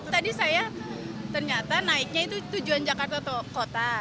tadi saya ternyata naiknya itu tujuan jakarta atau kota